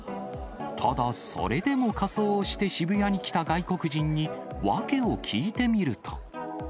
ただ、それでも仮装をして渋谷に来た外国人に訳を聞いてみると。